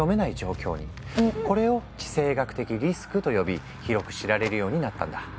これを「地政学的リスク」と呼び広く知られるようになったんだ。